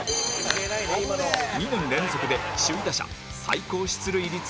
２年連続で首位打者最高出塁率を達成